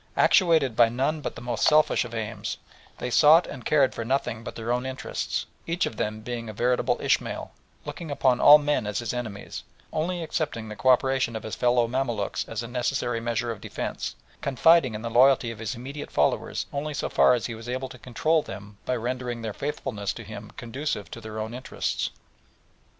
Actuated by none but the most selfish aims, they sought and cared for nothing but their own interests, each of them being a veritable Ishmael, looking upon all men as his enemies, only accepting the co operation of his fellow Mamaluks as a necessary measure of defence, confiding in the loyalty of his immediate followers only so far as he was able to control them by rendering their faithfulness to him conducive to their own interests.